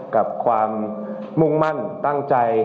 กับความมุ่งมั่นตั้งใจ